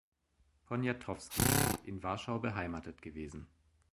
Poniatowski, in Warschau beheimatet gewesen.